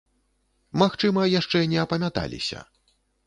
Магчыма, яшчэ не апамяталіся.